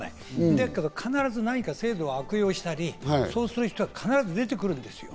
だけど必ず制度を悪用したりする人は必ず増えてくるんですよ。